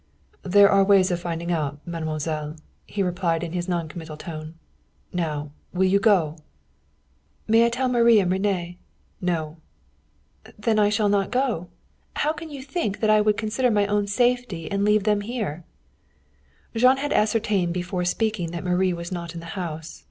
"There are ways of finding out, mademoiselle," he replied in his noncommittal voice. "Now, will you go?" "May I tell Marie and René?" "No." "Then I shall not go. How can you think that I would consider my own safety and leave them here?" Jean had ascertained before speaking that Marie was not in the house.